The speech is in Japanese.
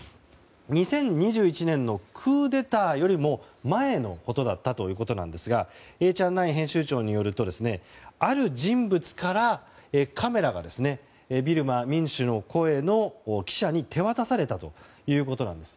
２０２１年のクーデターよりも前のことだったということですがエーチャンナイン編集長によるとある人物からカメラがビルマ民主の声の記者に手渡されたということなんです。